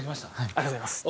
ありがとうございます。